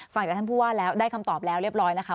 ฟังจากท่านผู้ว่าแล้วได้คำตอบแล้วเรียบร้อยนะคะ